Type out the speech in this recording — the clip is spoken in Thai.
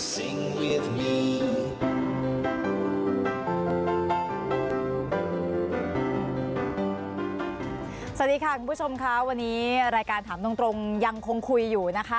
สวัสดีค่ะคุณผู้ชมค่ะวันนี้รายการถามตรงยังคงคุยอยู่นะคะ